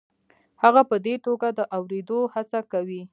هغه په دې توګه د اورېدو هڅه کوي.